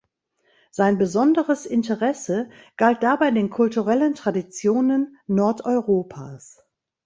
Sein besonderes Interesse galt dabei den kulturellen Traditionen Nordeuropas.